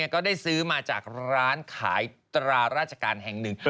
ก็ได้ซื้อมาจากร้านขายตราราชการแห่งหนึ่ง